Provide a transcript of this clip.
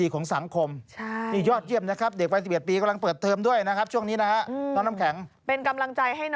ค่ะค่ะ